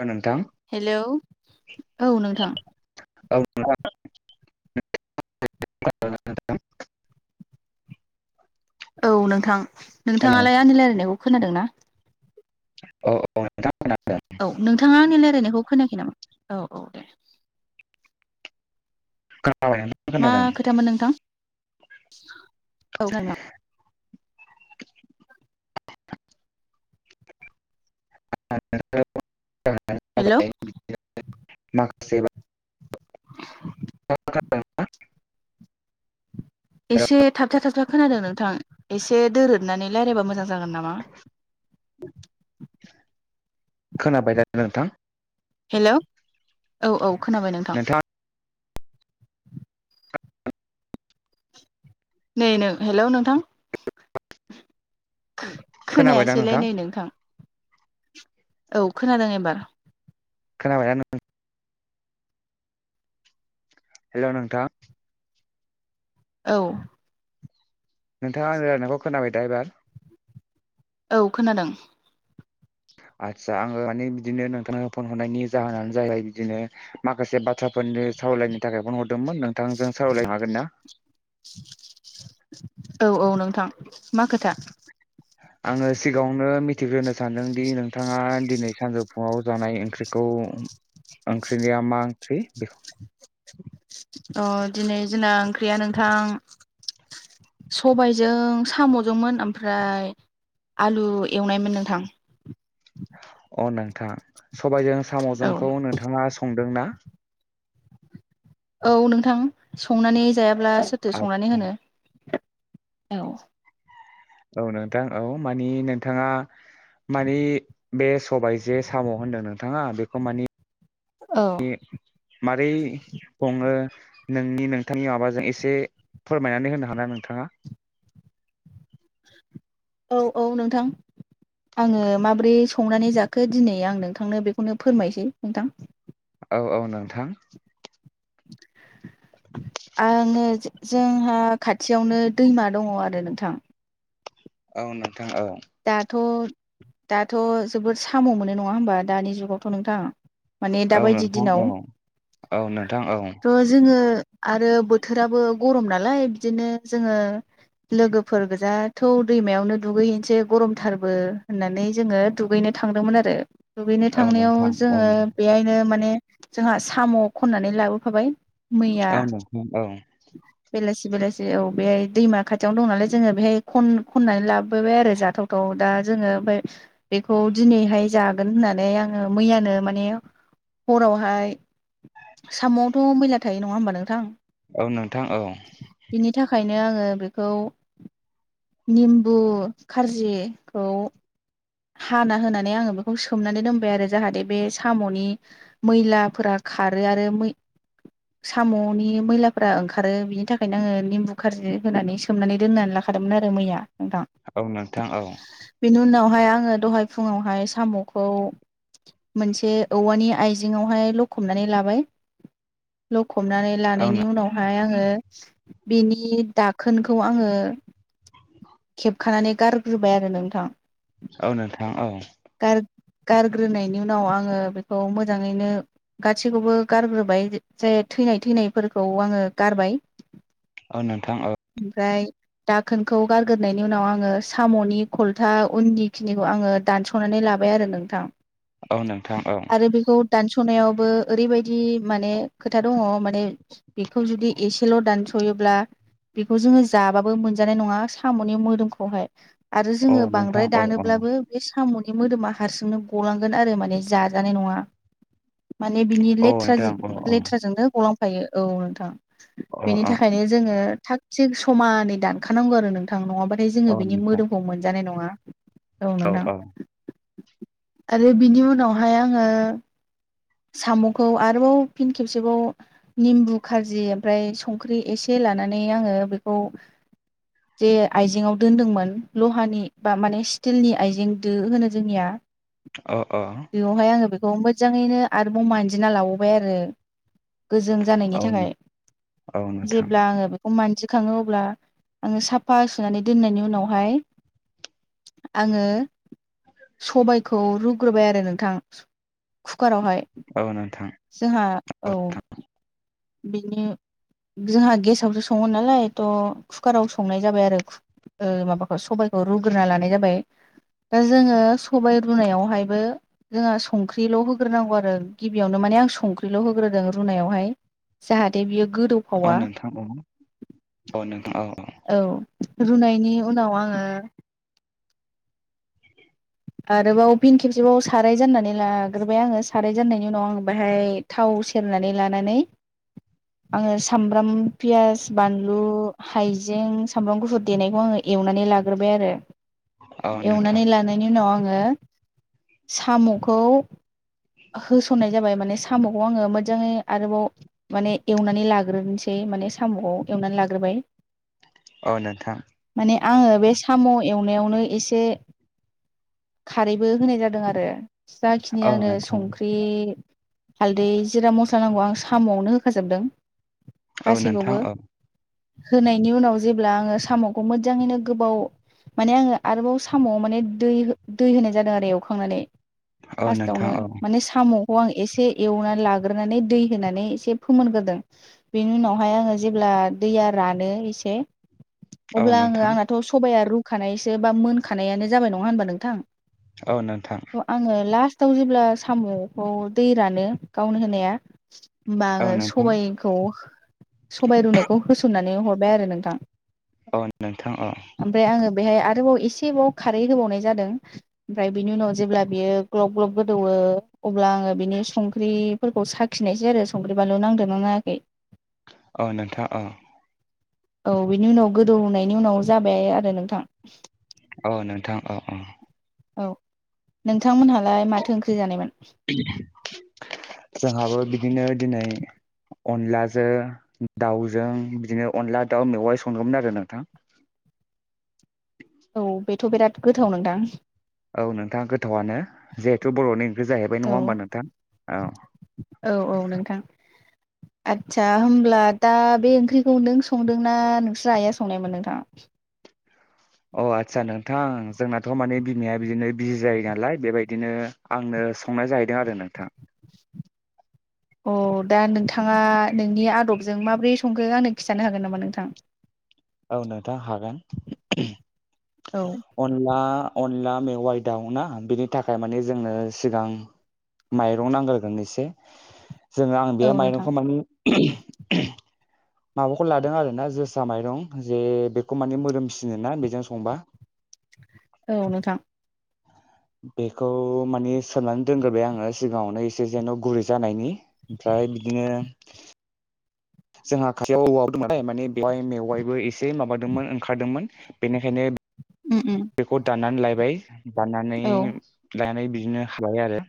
औ नोंथां हेलौ औ नोंथां औ नोंथां। औ नोंथां हेल' नोंथाङालाय आंनि रायलायनायखौ खोनादों ना? औ औ औ नोंथाङा आंनि रायलायनायखौ खोनाखै नामा औ औ दे। खोनादों मा खोनाबाय नोंथां खोथामोन नोंथां औ नोंथां हेलौ माखासे बाथ्रा उहम एसे थाबथा-थाबथा खोनादों नों थां एसे दोरोदनानै रायलायबा मोजां जागोन नामा। खोनाबायना नोंथां? हेल' औ औ खोनाबाय नोंथां नोंथाङा नै नो हेल' नोंथां? खोनाबाय दा खोनायासैलाय नै नोंथां? औ खोनादों एबार खोनाबायना नों हेल' नोंथां औ नोंथाङा आंनि रायलानायखौ खोनाबायदा एबार औ खोनादों आदसा आङो माने बिदिनो नोंथांनो फन हरनायनि जाहोनानो जाहैबाय बिदिनो माखासे बाथ्रा फोरनि सावरायायनो थाखाय फन हरदोंमोन नोंथांजों सावरायलायनो हागोन ना। औ-औ नोंथां मा खोथा आङो सिगाङावनो मिथिग्रोनो सानदोंदि नोंथाङा दिनै सानजौफुङाव जानाय ओंख्रिखौ ओंख्रिनिया मा ओंख्रि बेखौ अ दिनै जोंना ओंख्रिया नोंथां सबायजों साम'जोंमोन ओमफ्राय आलु एवनायमोन नोंथां। अ नोंथां सबायजों औ साम'जोंखौ नोंथाङा संदों ना। औ नोंथां संनानै जायाब्ला सोरथो संनानै आदसा होनो। औ औ नोंथां औ मानि नोंथाङा माने बे सबायाइ जो साम' होनदों नोंथाङा बेखौ माने औ ए मारै सङो नोंनि नोंथांनि माबाजों एसे फोरमायनानै होनो हाना नोंथाङा [unintelligible] औ-औ नोंथां। आङो माबोरै संनानै जाखो दिनै आं नोंथांनो बेखौनो फोरमायसै नोंथां। औ-औ नोंथां। आङो जोंहा खाथियावनो दैमा दङ आरो नोंथां। औ नों दाथ' दाथ' जोबोद साम' मोनो नङा होमबा दानि जुगावथ' नोंथां माने औ दाबायदि नोंथां दिनाव औ औ नोंथां औ त' जोङो आरो बोथोराबो गरम नालाय बिदिनो जोङो लोगोफोर गोजा थौ' दैमायावनो दुगैहैनोसै गरमथारबो होननानै जोङो दुगैनो थांदोंमोन आरो दुगैनो औ थांनायाव नोंथां औ जोङो बेहायनो माने जोंहा साम' खननानै लाबोफाबाय। औ नोंथां औ बेलासि-बेलासि औ बेहाय दैमा खाथियावनो दं नालाय जोङो बेहाय खन-खननानै लाबोबाय आरो जाग थावथाव दा जोङो ओमफ्राय बेखौ दिनैहाय जागोन होननानै आङो मैयानो माने हरावहाय साम'आवथ' मैला थायो नङा होमबा नोंथां। औ नोंथां औ बिदिनो आङो बेखौ निम्बु खारजिखौ हाना होनानै आङो बेखौ सोमनानै दोनबाय आरो जाहाथे बे साम'नि मैलाफोरा खारो आरो मै साम'नि मैलाफोरा ओंखारो बिनि थाखायनो आङो निम्बु खारजि होनानै सोमनानै दोनानै लाख खादोमोन आरो मैया। नोंथां औ नोंथां औ बेनि उनावहाय आङो दहाय फुङावहाय साम'खौ मोनसे औवानि आइजेंङावहाय लखबनानै लाबाय हमनानै औ लानायनि नों- उनावहाय आङो बिनि दाखोनखौ आङो खेबखानानै गारग्रोबाय आरो नोंथां। औ नोंथां औ गार गारग्रोनायनि उनाव आङो बेखौ मोजाङैनो गासैखौबो गारग्रोबाय जाय थैनाय-थैनायफोरखौ आङो गारबाय। औ नोंथां औ फ्राय दाखोनखौ गारग्रोनायनि उनाव आङो साम'नि खलथा उननि खिनिखौ आङो दानस'नानै लाबाय आरो नोंथां। औ नोंथां औ सबखनायावबो ओरैबायदि माने खोथा दङ माने बेखौ जुदि एसेल' दानस' हयोब्ला बेखौ जोङो जाबाबो मोनजानाय नङा साम'नि मोदोमखौहाय आरो औ जोङो नोंथां बांद्राय औ औ दानोब्लाबो बे साम'नि मोदोमा हारसिंनो गलांगोन आरो माने जाजानाय नङा माने बिनि औ नोंथां औ लेथ्राजिब औ लेथ्राजोंनो गलांफायो औ नोंथां अ बेनि अ थाखायनो जोङो थाग थिग समानै दानखानांगौ आरो नोंथां नङा बाथाय औ जोङो बिनि नोंथां मोदोमखौ मोनजानाय नङा औ नोंथां आरो बिनि उनावहाय आङो साम'खौ आरोबाव फिन खेबसेबाव निमबु खारजि ओमफाय संख्रि एसे लानानै आङो बेखौ जे आइजेंआव दोनदोंमोन लहानि बा माने स्टिलनि आइजें दो होनो जोंनिया अ अ बेयावहाय आङो बेखौ मोजाङैनो आरोबाव मानजिना लाबावबाय आरो गोजों जानायनि औ थाखाय नों- औ नोंथां जेब्ला आङो मानजि खाङो अब्ला आङो साफा सुनानै दोननायनि उनावहाय आङो सबायखौ रुग्रोबाय आरो नोंथां खुखारावहाय औ नोंथां जोंहा औ बिनि जोंहा गेसावसो सङो नालाय थ' खुखाराव संनाय जाबाय आरो ओ माबाखौ सबबायखौ रुग्रोना लानाय जाबाय दा जोङो सबाय रुनायावहायबो जोंहा संख्रिल' होग्रोनांगौ आरो गिबियावनो मान ले आं संख्रिल होग्रोदों रुनायावहाय जाहाथे बियो औ गोदौफावा नोंथां औ औ नोंथां औ औ रुनायनि उनाव आङो आरोबाव फिन खेबसेबाव साराय जाननानै लाग्रोबाय आङो साराय जाननायनि उनाव आं बेहाय था वाव सेरनानै लानानै आङो सामब्राम फियास, बानलु, हाइजें, सामब्राम, गुफुर देनायखौ आङो एवनानै लाग्रोबाय आरो औ एवनानै नोंथां लानायनि उनाव आङो साम'खौ होसननाय जाबाय माने साम'खौ आङो मोजाङै आरोबाव माने एवनानै लाग्रोनोसै माने साम'खौ एवनानै लाग्रोबाय औ नोंथां मे आङो बे साम' एवनायावनो एसे खारैबो होनाय जादों आरो जाखिनि औ आंनो नोंथां संख्रि हालदै, जिरा, मस्ला नांगौ आं साम'आवनो होखाजोबदों। औ नोंथां गासैखौबो औ होनायनि उनाव जेब्ला आङो साम'खौ मोजाङैनो गोबाव माने आङो आरोबाव सामाव माने दै दै होनाय जादों आरो एवखांनानै औ नोंथां फार्स्टआवनो औ माने साम' अ आं एसे एवनानै लाग्रोनानै दै होनानै एसे फोमोनग्रोदों बेनि उनावहाय आङो जेब्ला दैया रानो एसे औ नोंथां औ अब्ला आङो नोंथां आंनाथ' सबाया रुखानायसो बा मोनखानायानो जाबाय नङा होनबा नोंथां औ नोंथां आङो लास आव जेब्ला साम'खौ दै रानो गावनो होनाया होमबा आङो औ सबाइखौ सबाइ रुनायखौ होसननानै हरबाय आरो नोंथां औ नोंथां औ। ओमफ्राय आङो बेहाय आरोबाव एसेबाव खारै होबावनाय जादों आमफ्राय बिनि उनाव जेब्ला बियो ग्लब ग्लब गोदौओ अब्ला आङो बिनि सं संख्रिफोरखौ साखिनायसै आरो संख्रि बानलु नांदोंनाङाखै औ नोंथां औ। औ बिनि उनाव गोदौनायनि उनाव जाबाय आरो नोंथां । औ नोंथां औ औ । औ नोंथांमोनहालाय माथो ओंख्रि जानायमोन? जोंहाबो बिदिनो दिनै अनलाजों दाउजों बिदिनो अनला दाउ मेवाय संदोंमोन आरो नोंथां । औ बेथ' बिराद गोथाव नोंथां । औ नोंथाङा गोथावआनो जिहेथु बर'नि ओंख्रि जाहैबाय नङा औ होमबा नोंथां औ । औ औ नोंथां ' आदसा होमब्ला दा बे ओंख्रिखौ नों संदों ना नोंस्रा आइआ संनायमोन नोंथां । अ आस्सा नोंथां जोंनाथ' माने बिमाया बिदिनो बिजि जायो नालाय बेबायदिनो आंनो संनाय जाहैदों आरो नोंथां । अ दा नोंथाङा नोंनि आदबजों माबोरै संखो आंनो खिन्थानो हागोन नामा नोंथां? औ नोंथां हागोन । औ अनला अनला मेवाइ दाउ ना बिनि थाखाय माने जोंनो सिगां माइरं नांगोरगोन एसे जोङो आं औ बे नोंथां माइरंखौ माने माबाखौ लादों आरोना जोसा माइरं जे बेखौ माने मोदोमसिनो ना बेजों संबा [inaudible] औ नोंथां । बेखौ माने सोमनानै दोनग्रोबाय आङो सिगाङावनो एसे जेन' गुरै जानायनि ओमफ्राय ओमफ्राय बिदिनो जोंहा खाथियाव औवा दंमोन नालाय माने बेवहाय मेवाइबो एसे माबादोंमोन ओंखारदोंमोन बेनिखायनो - उम उम बेखौ दाननानै लायबाय दाननानै औ लायनानै बिदिनो हाबाय आरो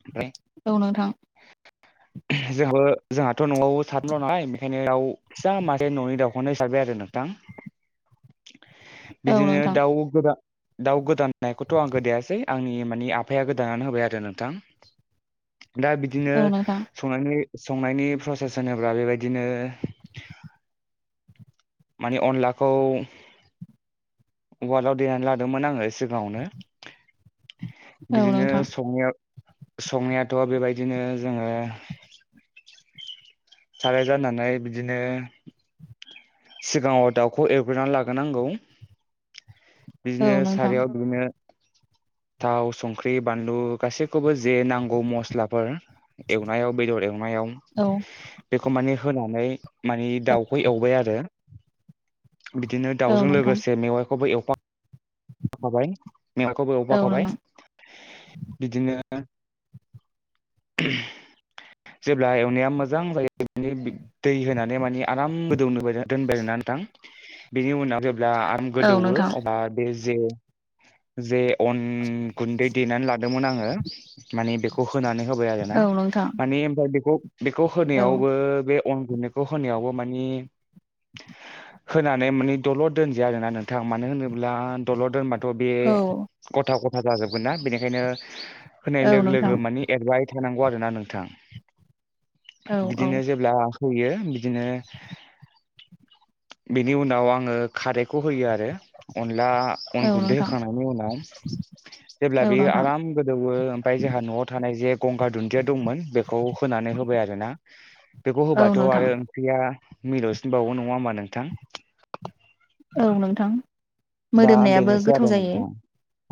ओमफ्राय औ नोंथां । [inaudible] जोंहाबो जोंहाथ' न'आवबो साथामल' नालाय बेनिखायनो दाव इसेबां मासे न'नि दाउखौनो जाबाय आरो नोंथां [inaudible] औ बिदिनो नोंथां । दाउ गोदा दाउ गोदानायखौथ' आं गोदायासै आंनि मानि आफाया गोदानानानै होबाय आरो नोंथां दा बिदिनो औ नोंथां संनानै संनायनि प्रसेस होनोब्ला बेबायदिनो माने अनलाखौ उवालाव देनानै लादोंमोन आङो सिगाङावनो औ बिदिनो नोंथां संनायाव - - संनायाथ' बेबायदिनो जोङो साराय जाननानै बिदिनो सिगाङाव दाउखौ एवग्रोनानै लाग्रोनांगौ । बिदिनो औ नोंथां सारियाव बिदिनो थाव संख्रि बानलु गासैखौबो जे नांगौ मस्लाफोर एवनायाव बेदर एवनायाव औ बेखौ मानि होनानै माने औ दाउखौ एवबाय आरो बिदिनो औ दाउजों नोंथां लोगोसे मेवाइखौबो एवफां खाबाय मेवाखौबो औ एवफाखाबाय नोंथां बिदिनो जेब्ला एवनाया मोजां जायो दै होनानै मानि आराम गोदौनो दोनबाय ना नोंथां बेनि उनाव जेब्ला आराम औ गोदौवो नोंथां अब्ला बे जे जे अन गुन्दै देनानै लादोंमोन आङो माने बेखौ होनानै होबाय आरोना औ नोंथां मानि ओमफ्राय बेखौ बेखौ औ होनायावबो बे अन गुनदैखौ होनायावबो माने होनानै माने दलर दोनजाया आरोना नोंथां मानो होनोब्ला दल' धोनबाथ' बे औ गथा गथा जाजोबगोन ना बेनिखायनो होनाय औ लोगो लोगो नोंथां मानि एडभाइ थांगौ आरो ना नोंथां औ औ बिदिनो जेब्ला होयो बिदिनो बेनि उनाव आङो खारैखौ होयो आरो अनला अन औ गुनदै नोंथां होखांनायनि उनाव जेब्ला औ बेयो नोंथां आराम गोदौवो ओमफ्राय जोंहा न'आव थानाय जे गंगार दुन्दिया दंमोन बेखौ फोनानै होबाय आरो ना बेखौ औ होबाथ' नोंथां आरो ओंख्रिया मिलौवसिनबावगौ नङा होमबा नोंथां औ नोंथां दा मोदोमनायाबो बेनोसै गोथाव आरो जायो नोंथां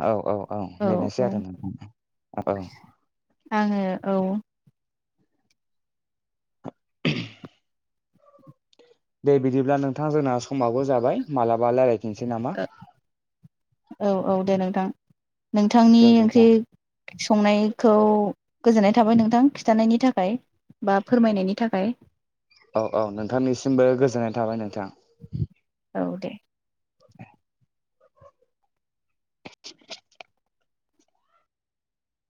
औ औ औ बेसै आरो नोंथां औ आङो औ दे बिदिब्ला नोंथां जोंना समाबबो जाबाय मालाबा रायजलायफिनसै नामा औ औ दे नोंथां नोंथांनि दे ओंख्रि नोंथां संनायखौ गोजोननाय थाबाय नोंथां खिथानायनि थाखाय बा फोरमायनायनि थाखाय औ औ नोंथांनिसिमबो गोजोननाय थाबाय नोंथां औ दे